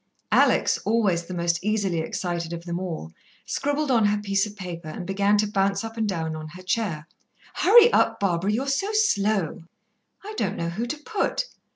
Alex, always the most easily excited of them all, scribbled on her piece of paper and began to bounce up and down on her chair. "Hurry up, Barbara. You're so slow." "I don't know who to put."